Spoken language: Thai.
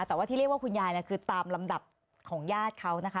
แต่ว่าที่เรียกว่าคุณยายคือตามลำดับของญาติเขานะคะ